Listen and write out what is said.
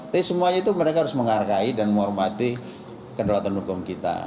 tapi semuanya itu mereka harus menghargai dan menghormati kedaulatan hukum kita